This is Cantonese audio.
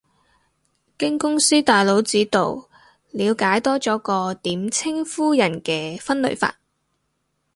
經公司大佬指導，了解多咗個點稱呼人嘅分類法